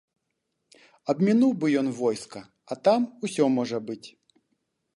Абмінуў бы ён войска, а там усё можа быць.